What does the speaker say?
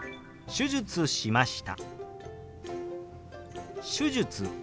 「手術しました」。